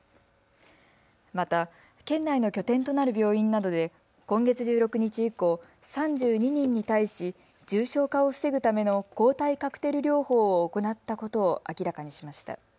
また県内の拠点となる病院などで今月１６日以降、３２人に対し重症化を防ぐための抗体カクテル療法を行ったことを明らかにしました。